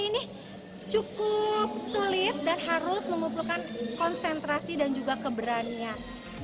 ini cukup sulit dan harus mengumpulkan konsentrasi dan juga keberanian